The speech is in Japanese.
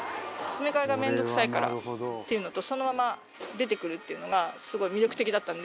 詰め替えが面倒くさいからっていうのとそのまま出てくるっていうのがすごい魅力的だったので。